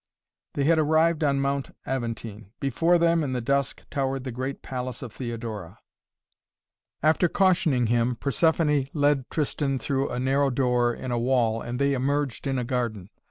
They had arrived on Mount Aventine. Before them, in the dusk, towered the great palace of Theodora. After cautioning him, Persephoné led Tristan through a narrow door in a wall and they emerged in a garden.